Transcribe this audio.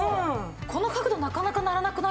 この角度なかなかならなくないですか？